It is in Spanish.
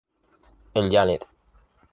El "Janet.